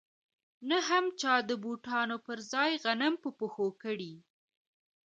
نه هم چا د بوټانو پر ځای غنم په پښو کړي